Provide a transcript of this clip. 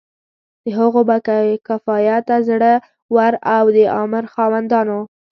د هغو با کفایته، زړه ور او د امر خاوندانو.